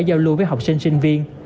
giao lưu với học sinh sinh viên